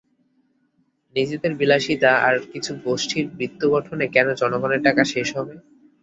নিজেদের বিলাসিতা আর কিছু গোষ্ঠীর বিত্ত গঠনে কেন জনগণের টাকা শেষ হবে?